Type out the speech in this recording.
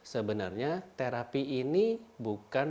sebenarnya terapi ini bukan